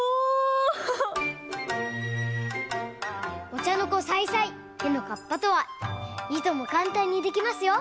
「お茶の子さいさい屁の河童」とは「いともかんたんにできますよ」